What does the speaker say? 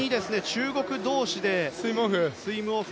中国同士でスイムオフ。